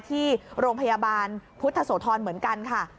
ที่โรงพยาบาลพุทธโสธรเหมือนกันค่ะ